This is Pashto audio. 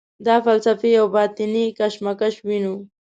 دلته فلسفي او باطني کشمکش وینو.